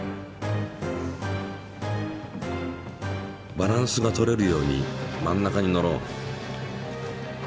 バランスがとれるように真ん中に乗ろう。